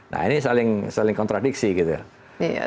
nah ini saling kontradiksi gitu ya